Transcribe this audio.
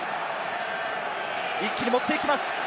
一気に持っていきます。